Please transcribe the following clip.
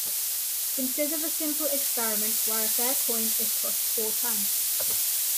Consider the simple experiment where a fair coin is tossed four times.